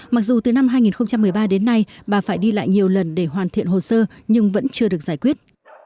mặc dù từ năm hai nghìn một mươi ba đến nay bà phải đi lại nhiều lần để hoàn thiện hồ sơ nhưng vẫn chưa được giải quyết